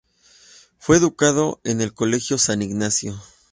Fue educado en el Colegio San Ignacio.